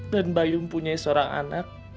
dan bayu punya seorang anak